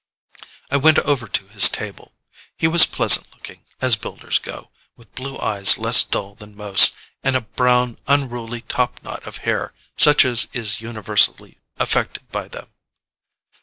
I went over to his table. He was pleasant looking, as Builders go, with blue eyes less dull than most, and a brown, unruly topknot of hair such as is universally affected by them.